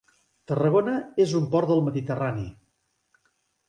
Tarragona és un port del Mediterrani.